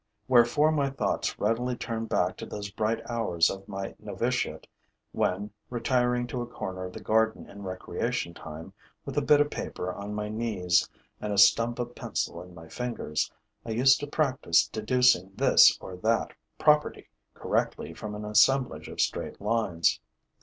Wherefore my thoughts readily turn back to those bright hours of my novitiate, when, retiring to a corner of the garden in recreation time, with a bit of paper on my knees and a stump of pencil in my fingers, I used to practice deducing this or that property correctly from an assemblage of straight lines.